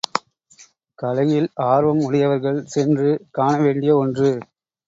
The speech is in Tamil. கலையில் ஆர்வம் உடையவர்கள் சென்று காண வேண்டிய ஒன்று.